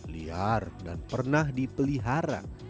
liar dan pernah dipelihara